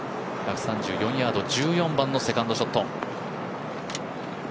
１３４ヤード１４番のセカンドショット。